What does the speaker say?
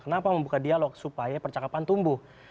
kenapa membuka dialog supaya percakapan tumbuh